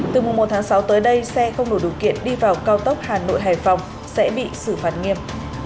từ mùa một tháng sáu tới đây xe không đủ điều kiện đi vào cao tốc hà nội hải phòng sẽ bị xử phạt nghiêm